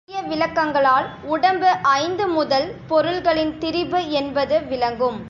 மேற்கூறிய விளக்கங்களால், உடம்பு ஐந்து முதல் பொருள்களின் திரிபு என்பது விளங்கும்.